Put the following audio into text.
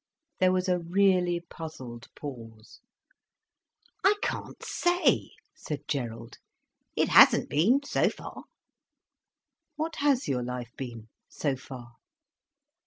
There was a really puzzled pause. "I can't say," said Gerald. "It hasn't been, so far." "What has your life been, so far?"